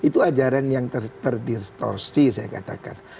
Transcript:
itu ajaran yang terdistorsi saya katakan